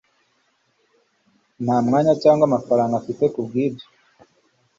nta mwanya cyangwa amafaranga mfite kubwibyo